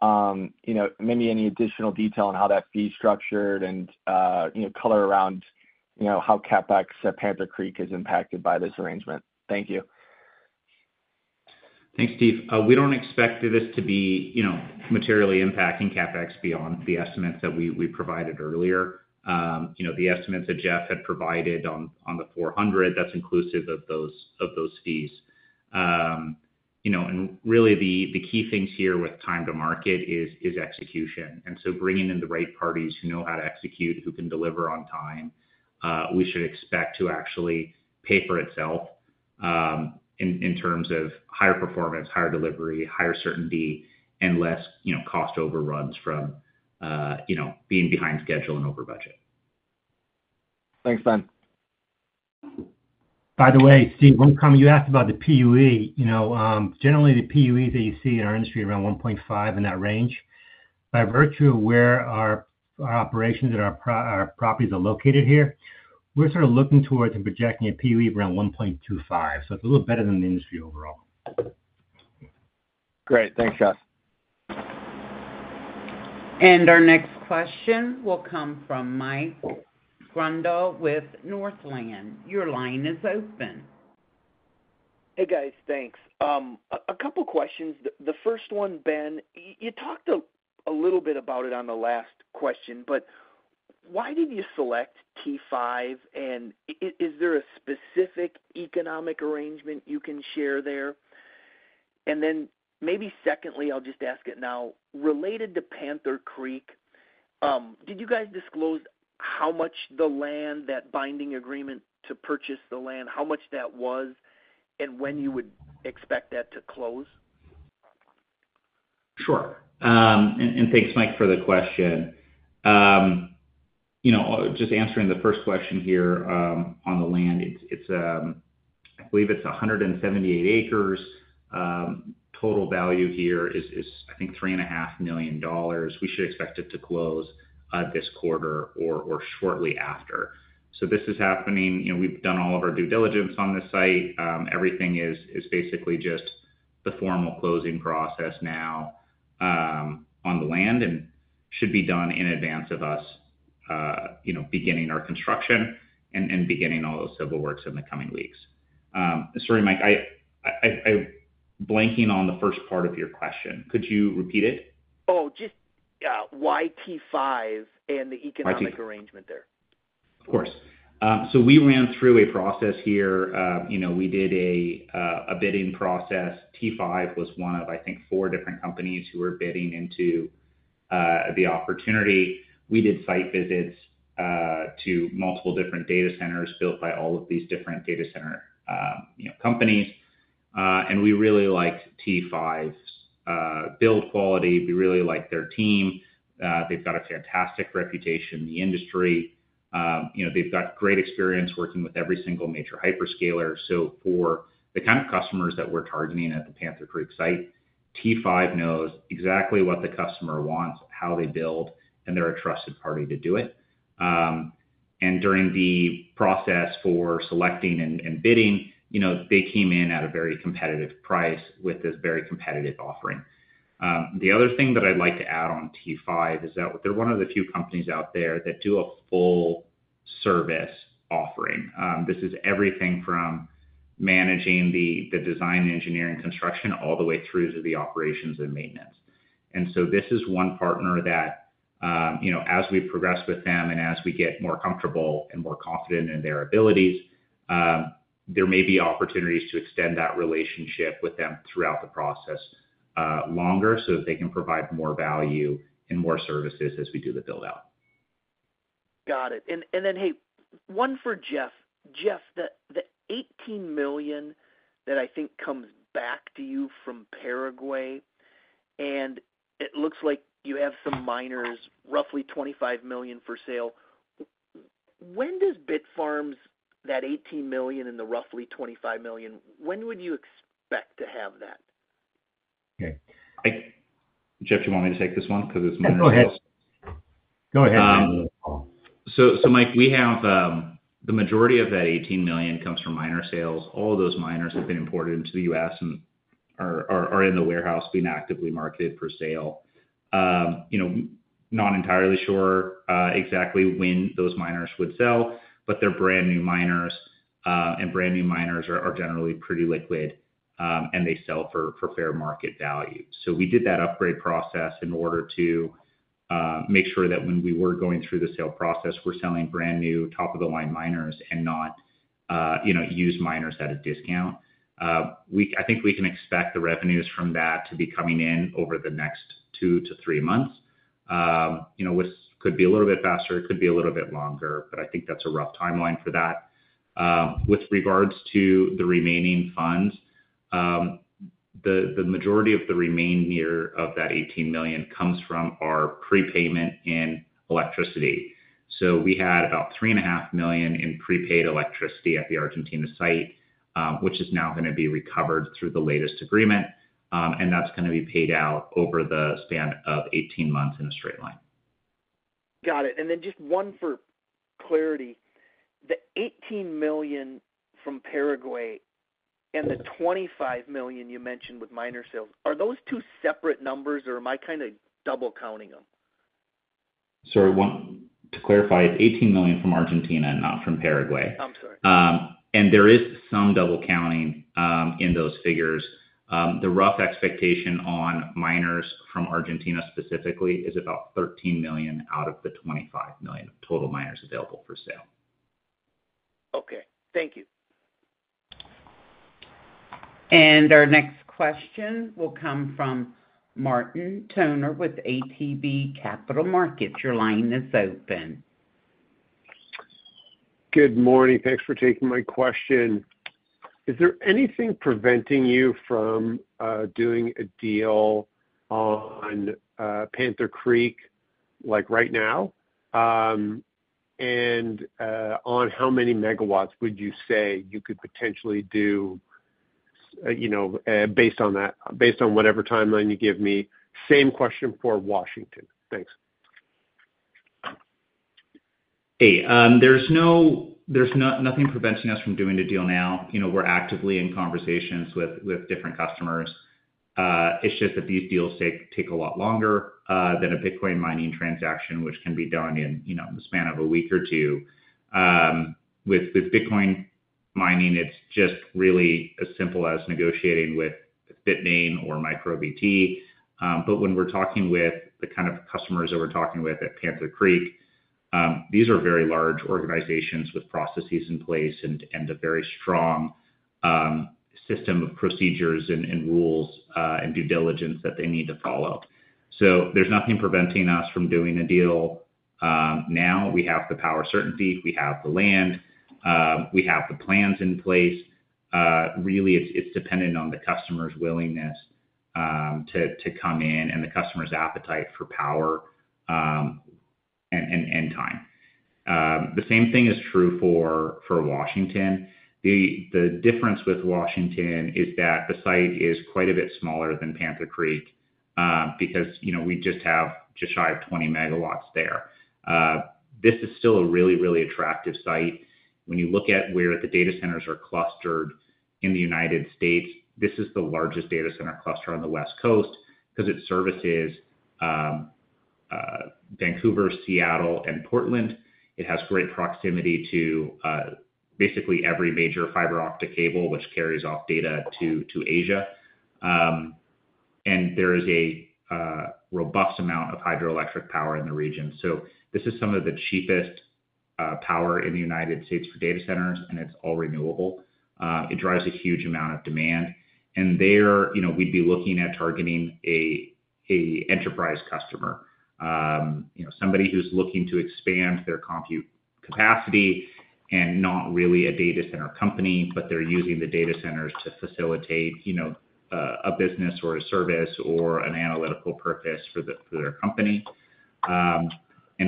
Maybe any additional detail on how that fee is structured and color around how CapEx at Panther Creek is impacted by this arrangement. Thank you. Thanks, Steve. We don't expect this to be materially impacting CapEx beyond the estimates that we provided earlier. The estimates that Jeff had provided on the $400 million, that's inclusive of those fees. Really, the key things here with time to market is execution. Bringing in the right parties who know how to execute, who can deliver on time, we should expect to actually pay for itself in terms of higher performance, higher delivery, higher certainty, and less cost overruns from being behind schedule and over budget. Thanks, Ben. By the way, Steve, one comment you asked about the PUE. Generally, the PUEs that you see in our industry are around 1.5 in that range. By virtue of where our operations and our properties are located here, we're sort of looking towards and projecting a PUE of around 1.25. It's a little better than the industry overall. Great. Thanks, Jeff. Our next question will come from Mike Grondahl with Northland. Your line is open. Hey, guys. Thanks. A couple questions. The first one, Ben, you talked a little bit about it on the last question, but why did you select T5? Is there a specific economic arrangement you can share there? Maybe secondly, I'll just ask it now. Related to Panther Creek, did you guys disclose how much the land, that binding agreement to purchase the land, how much that was, and when you would expect that to close? Sure. Thanks, Mike, for the question. Just answering the first question here on the land, I believe it's 178 acres. Total value here is, I think, $3.5 million. We should expect it to close this quarter or shortly after. This is happening. We've done all of our due diligence on this site. Everything is basically just the formal closing process now on the land and should be done in advance of us beginning our construction and beginning all those civil works in the coming weeks. Sorry, Mike, I'm blanking on the first part of your question. Could you repeat it? Oh, just why T5 and the economic arrangement there? Of course. We ran through a process here. We did a bidding process. T5 was one of, I think, four different companies who were bidding into the opportunity. We did site visits to multiple different data centers built by all of these different data center companies. We really liked T5's build quality. We really liked their team. They've got a fantastic reputation in the industry. They've got great experience working with every single major hyperscaler. For the kind of customers that we're targeting at the Panther Creek site, T5 knows exactly what the customer wants, how they build, and they're a trusted party to do it. During the process for selecting and bidding, they came in at a very competitive price with this very competitive offering. The other thing that I'd like to add on T5 is that they're one of the few companies out there that do a full-service offering. This is everything from managing the design, engineering, and construction all the way through to the operations and maintenance. This is one partner that, as we progress with them and as we get more comfortable and more confident in their abilities, there may be opportunities to extend that relationship with them throughout the process longer so that they can provide more value and more services as we do the build-out. Got it. One for Jeff. Jeff, the $18 million that I think comes back to you from Paraguay, and it looks like you have some miners, roughly $25 million for sale. When does Bitfarms get that $18 million and the roughly $25 million, when would you expect to have that? Okay. Jeff, do you want me to take this one? Because it's one of the— Go ahead. Go ahead. We have the majority of that $18 million comes from miner sales. All of those miners have been imported into the U.S. and are in the warehouse being actively marketed for sale. You know, not entirely sure exactly when those miners would sell, but they're brand new miners, and brand new miners are generally pretty liquid, and they sell for fair market value. We did that upgrade process in order to make sure that when we were going through the sale process, we're selling brand new top-of-the-line miners and not, you know, used miners at a discount. I think we can expect the revenues from that to be coming in over the next two to three months, which could be a little bit faster, it could be a little bit longer, but I think that's a rough timeline for that. With regards to the remaining funds, the majority of the remaining of that $18 million comes from our prepayment in electricity. We had about $3.5 million in prepaid electricity at the Argentina site, which is now going to be recovered through the latest agreement, and that's going to be paid out over the span of 18 months in a straight line. Got it. Just one for clarity, the $18 million from Paraguay and the $25 million you mentioned with miner sales, are those two separate numbers, or am I kind of double counting them? To clarify, it's $18 million from Argentina and not from Paraguay. There is some double counting in those figures. The rough expectation on miners from Argentina specifically is about $13 million out of the $25 million total miners available for sale. Okay, thank you. Our next question will come from Martin Toner with ATB Capital Markets. Your line is open. Good morning. Thanks for taking my question. Is there anything preventing you from doing a deal on Panther Creek right now? On how many megawatts would you say you could potentially do, based on that, based on whatever timeline you give me? Same question for Washington. Thanks. Hey, there's nothing preventing us from doing a deal now. We're actively in conversations with different customers. It's just that these deals take a lot longer than a Bitcoin mining transaction, which can be done in the span of a week or two. With Bitcoin mining, it's just really as simple as negotiating with Bitmain or MicroBT. When we're talking with the kind of customers that we're talking with at Panther Creek, these are very large organizations with processes in place and a very strong system of procedures and rules and due diligence that they need to follow. There's nothing preventing us from doing a deal. Now we have the power certainty, we have the land, we have the plans in place. Really, it's dependent on the customer's willingness to come in and the customer's appetite for power and time. The same thing is true for Washington. The difference with Washington is that the site is quite a bit smaller than Panther Creek because we just have just shy of 20 MW there. This is still a really, really attractive site. When you look at where the data centers are clustered in the United States, this is the largest data center cluster on the West Coast because it services Vancouver, Seattle, and Portland. It has great proximity to basically every major fiber optic cable, which carries off data to Asia. There is a robust amount of hydroelectric power in the region. This is some of the cheapest power in the United States for data centers, and it's all renewable. It drives a huge amount of demand. There, we'd be looking at targeting an enterprise customer, somebody who's looking to expand their compute capacity and not really a data center company, but they're using the data centers to facilitate a business or a service or an analytical purpose for their company.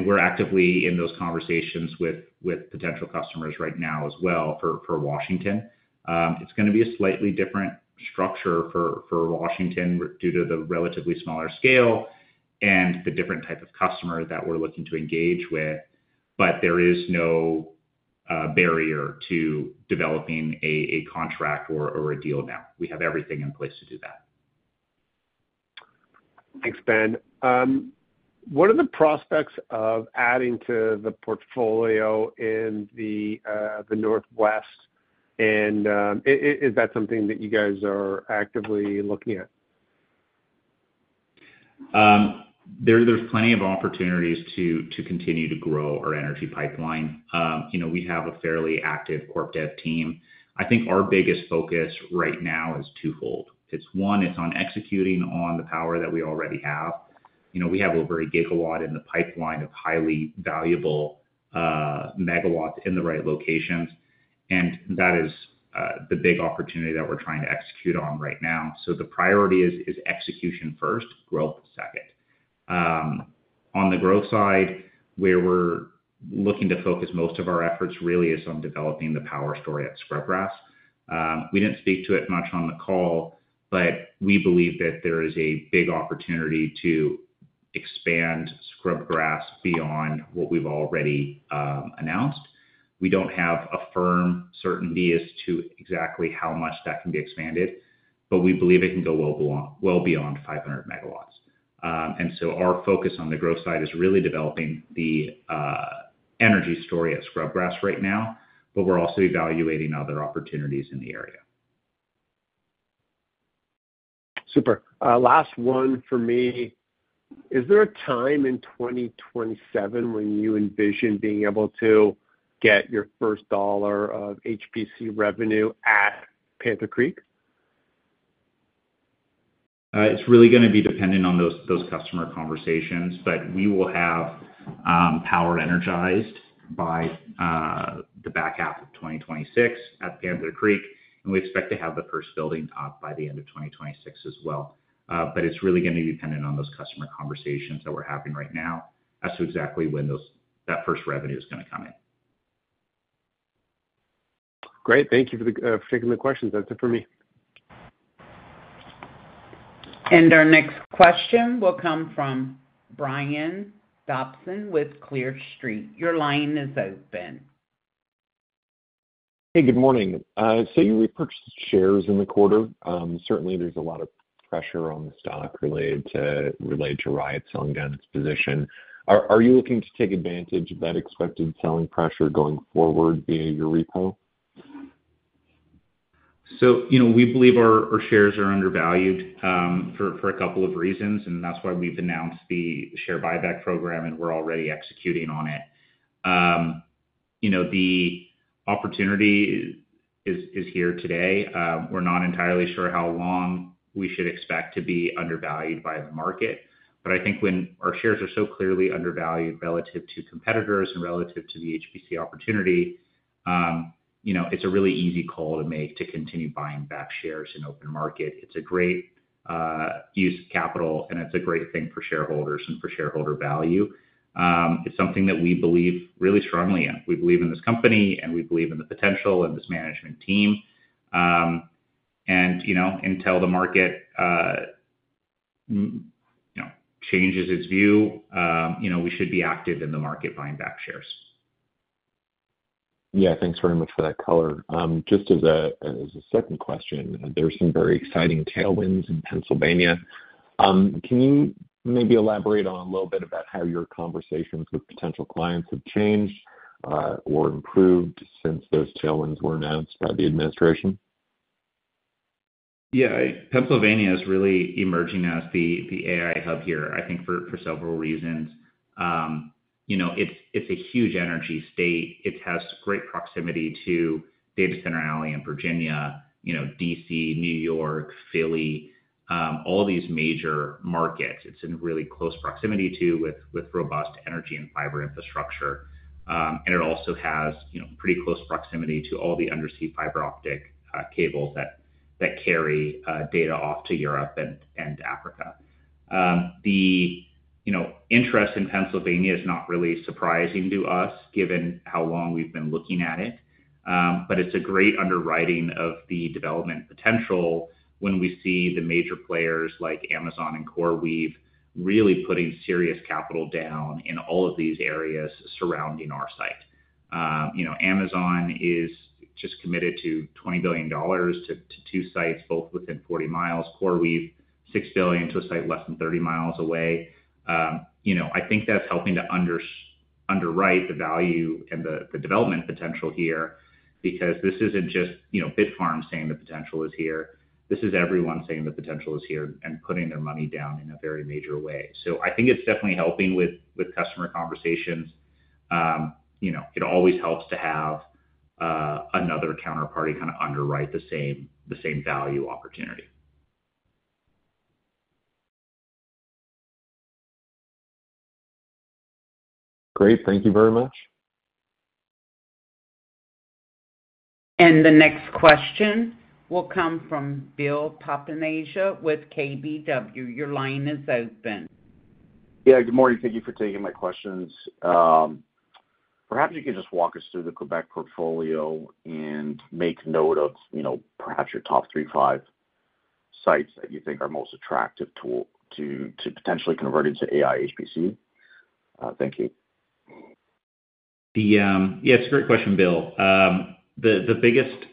We're actively in those conversations with potential customers right now as well for Washington. It's going to be a slightly different structure for Washington due to the relatively smaller scale and the different type of customer that we're looking to engage with. There is no barrier to developing a contract or a deal now. We have everything in place to do that. Thanks, Ben. What are the prospects of adding to the portfolio in the Northwest? Is that something that you guys are actively looking at? There's plenty of opportunities to continue to grow our energy pipeline. We have a fairly active corp debt team. I think our biggest focus right now is twofold. It's one, it's on executing on the power that we already have. We have over a gigawatt in the pipeline of highly valuable megawatts in the right locations, and that is the big opportunity that we're trying to execute on right now. The priority is execution first, growth second. On the growth side, where we're looking to focus most of our efforts really is on developing the power story at Scrubgrass. We didn't speak to it much on the call, but we believe that there is a big opportunity to expand Scrubgrass beyond what we've already announced. We don't have a firm certainty as to exactly how much that can be expanded, but we believe it can go well beyond 500 MW. Our focus on the growth side is really developing the energy story at Scrubgrass right now, but we're also evaluating other opportunities in the area. Super. Last one for me. Is there a time in 2027 when you envision being able to get your first dollar of HPC revenue at Panther Creek? It's really going to be dependent on those customer conversations, but we will have power energized by the back half of 2026 at Panther Creek, and we expect to have the first building up by the end of 2026 as well. It's really going to be dependent on those customer conversations that we're having right now as to exactly when that first revenue is going to come in. Great. Thank you for taking the questions. That's it for me. Our next question will come from Brian Dobson with Clear Street. Your line is open. Good morning. You repurchased shares in the quarter. Certainly, there's a lot of pressure on the stock related to Riot selling down its position. Are you looking to take advantage of that expected selling pressure going forward via your repo? We believe our shares are undervalued for a couple of reasons, and that's why we've announced the share buyback program, and we're already executing on it. The opportunity is here today. We're not entirely sure how long we should expect to be undervalued by the market, but I think when our shares are so clearly undervalued relative to competitors and relative to the HPC opportunity, it's a really easy call to make to continue buying back shares in the open market. It's a great use of capital, and it's a great thing for shareholders and for shareholder value. It's something that we believe really strongly in. We believe in this company, and we believe in the potential and this management team. Until the market changes its view, we should be active in the market buying back shares. Yeah, thanks very much for that color. Just as a second question, there's some very exciting tailwinds in Pennsylvania. Can you maybe elaborate a little bit about how your conversations with potential clients have changed or improved since those tailwinds were announced by the administration? Yeah, Pennsylvania is really emerging as the AI hub here, I think, for several reasons. You know, it's a huge energy state. It has great proximity to Data Center Alley in Virginia, DC, New York City, Philly, all these major markets. It's in really close proximity to, with robust energy and fiber infrastructure. It also has pretty close proximity to all the undersea fiber optic cables that carry data off to Europe and Africa. The interest in Pennsylvania is not really surprising to us given how long we've been looking at it. It's a great underwriting of the development potential when we see the major players like Amazon and CoreWeave really putting serious capital down in all of these areas surrounding our site. Amazon has just committed $20 billion to two sites both within 40 mi, CoreWeave $6 billion to a site less than 30 mi away. I think that's helping to underwrite the value and the development potential here because this isn't just, you know, Bitfarms saying the potential is here. This is everyone saying the potential is here and putting their money down in a very major way. I think it's definitely helping with customer conversations. It always helps to have another counterparty kind of underwrite the same value opportunity. Great. Thank you very much. The next question will come from Bill Papanastasiou with KBW. Your line is open. Good morning. Thank you for taking my questions. Perhaps you could just walk us through the Quebec portfolio and make note of, you know, perhaps your top three or five sites that you think are most attractive to potentially convert into AI HPC. Thank you. Yeah, it's a great question, Bill. The biggest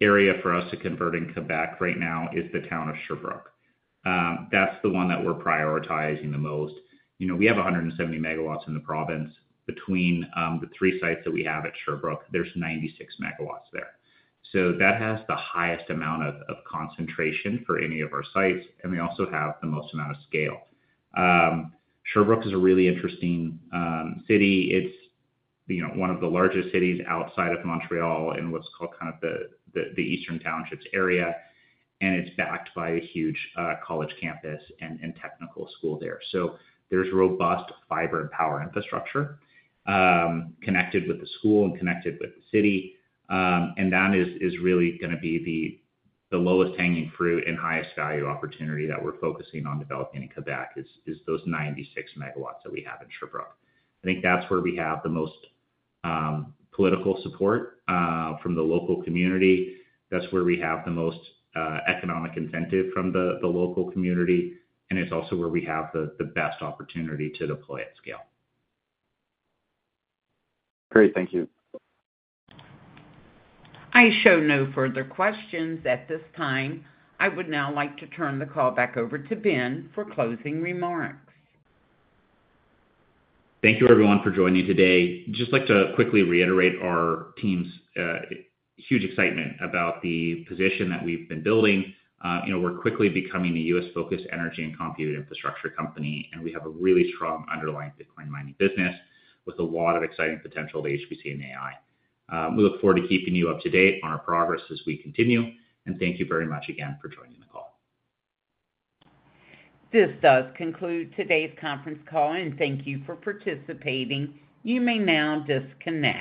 area for us to convert in Quebec right now is the town of Sherbrooke. That's the one that we're prioritizing the most. You know, we have 170 MW in the province. Between the three sites that we have at Sherbrooke, there's 96 MW there. That has the highest amount of concentration for any of our sites, and we also have the most amount of scale. Sherbrooke is a really interesting city. It's one of the largest cities outside of Montreal in what's called kind of the Eastern Townships area, and it's backed by a huge college campus and technical school there. There is robust fiber and power infrastructure connected with the school and connected with the city. That is really going to be the lowest hanging fruit and highest value opportunity that we're focusing on developing in Quebec, those 96 MW that we have in Sherbrooke. I think that's where we have the most political support from the local community. That's where we have the most economic incentive from the local community, and it's also where we have the best opportunity to deploy at scale. Great, thank you. I show no further questions at this time. I would now like to turn the call back over to Ben for closing remarks. Thank you, everyone, for joining today. I'd just like to quickly reiterate our team's huge excitement about the position that we've been building. We're quickly becoming a U.S.-focused energy and compute infrastructure company, and we have a really strong underlying Bitcoin mining business with a lot of exciting potential to HPC and AI. We look forward to keeping you up to date on our progress as we continue, and thank you very much again for joining the call. This does conclude today's conference call, and thank you for participating. You may now disconnect.